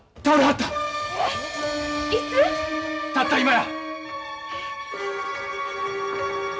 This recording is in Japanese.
たった今や！